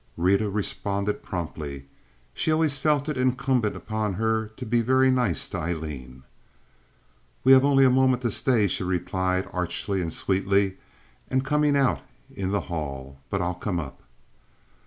Rita responded promptly. She always felt it incumbent upon her to be very nice to Aileen. "We have only a moment to stay," she replied, archly and sweetly, and coming out in the hall, "but I'll come up."